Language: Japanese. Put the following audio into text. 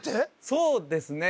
そうですね